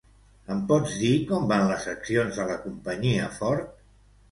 Em pots dir com van les accions de la companyia Ford?